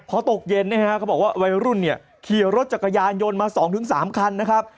พอตกเย็นเขาบอกว่าวัยรุ่นเนี่ยขี่รถจักรยานยนต์มา๒๓คันนะครับ